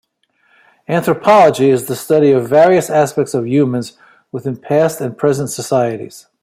Anthropology is the study of various aspects of humans within past and present societies.